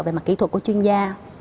về mặt kỹ thuật của chuyên gia